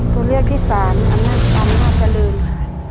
ตัวเลือกที่สามอำนาจเจริญค่ะ